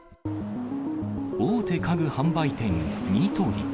大手家具販売店、ニトリ。